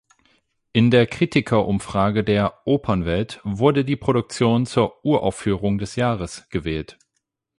In der Kritikerumfrage der "Opernwelt" wurde die Produktion zur „Uraufführung des Jahres“ gewählt.